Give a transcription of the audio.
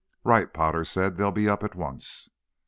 "Right," Potter said. "They'll be up at once."